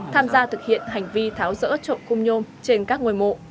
tham gia thực hiện hành vi tháo rỡ trộm khung nhôm trên các ngôi mộ